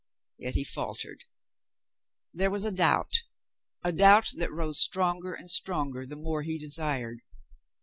Yet he faltered. There was a doubt, a doubt that rose stronger and stronger the more he desired.